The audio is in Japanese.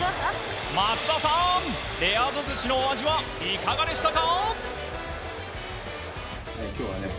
松田さん、レアード寿司のお味はいかがでしたか？